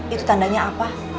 itu tandanya apa